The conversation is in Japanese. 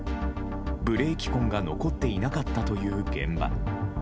ブレーキ痕が残っていなかったという現場。